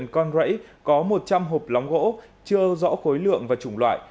một con rẫy có một trăm linh hộp lóng gỗ chưa rõ khối lượng và chủng loại